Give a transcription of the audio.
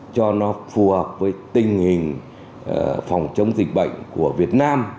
cho nó phù hợp với tình hình phòng chống dịch bệnh của việt nam